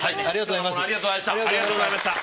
ありがとうございます。